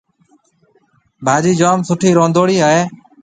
ڀاجِي جوم سُٺِي روندهوڙِي هيَ۔